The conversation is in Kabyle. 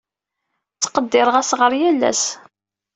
Tqeddireɣ asɣar yal ass.